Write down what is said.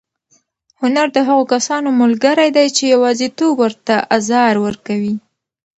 هنر د هغو کسانو ملګری دی چې یوازېتوب ورته ازار ورکوي.